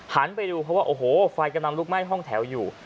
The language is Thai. ไปดูเพราะว่าโอ้โหไฟกำลังลุกไหม้ห้องแถวอยู่